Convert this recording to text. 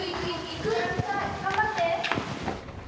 頑張って。